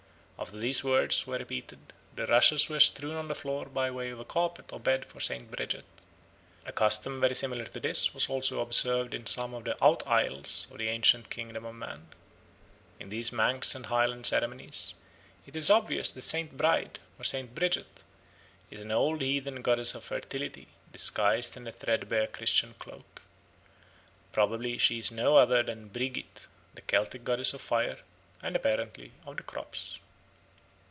After these words were repeated, the rushes were strewn on the floor by way of a carpet or bed for St. Bridget. A custom very similar to this was also observed in some of the Out Isles of the ancient Kingdom of Man." In these Manx and Highland ceremonies it is obvious that St. Bride, or St. Bridget, is an old heathen goddess of fertility, disguised in a threadbare Christian cloak. Probably she is no other than Brigit, the Celtic goddess of fire and apparently of the crops.